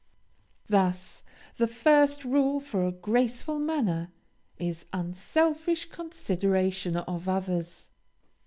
Thus the first rule for a graceful manner is unselfish consideration of others.